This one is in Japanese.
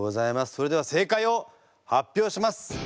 それでは正解を発表します。